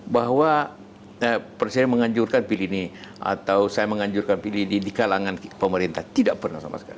bahwa presiden menganjurkan pilih ini atau saya menganjurkan pilih ini di kalangan pemerintah tidak pernah sama sekali